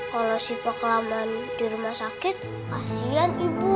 kalau siva kelamaan di rumah sakit kasihan ibu